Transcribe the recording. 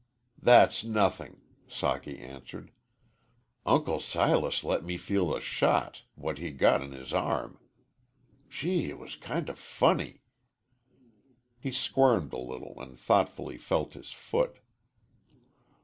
"That's nothing," Socky answered. "Uncle Silas let me feel the shot what he got in his arm. Gee, it was kind o' funny." He squirmed a little and thoughtfully felt his foot.